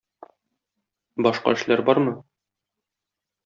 Башка эшләр бармы?